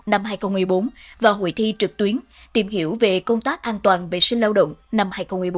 năm hai nghìn một mươi bốn và hội thi trực tuyến tìm hiểu về công tác an toàn vệ sinh lao động năm hai nghìn một mươi bốn